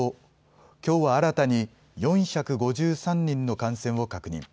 きょうは新たに４５３人の感染を確認。